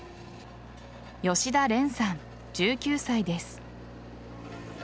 吉田玲音さん、１９歳です。